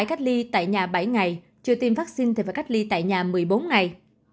cách ly tại nhà bảy ngày chưa tiêm vaccine thì phải cách ly tại nhà một mươi bốn ngày